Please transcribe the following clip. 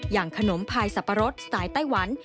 อย่างขนมพายสับปะรดสไตล์ไต้หวัน